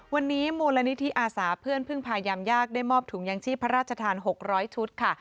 วันนี้มูลนิธิอาสาเพื่อนพึ่งพายามยากได้มอบถุงยางชีพพระราชทาน๖๐๐ชุดค่ะ